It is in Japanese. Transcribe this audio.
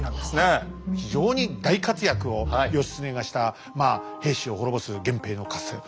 非常に大活躍を義経がした平氏を滅ぼす源平の合戦。